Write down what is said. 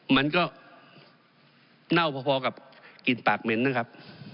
มันก็เน่าพอกับกลิ่นปากเหม็นนะครับ